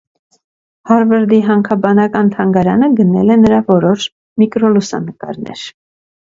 Հարվարդի հանքաբանական թանգարանը գնել է նրա որոշ միկրոլուսանկարները։